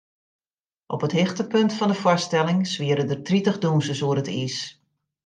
Op it hichtepunt fan de foarstelling swiere der tritich dûnsers oer it iis.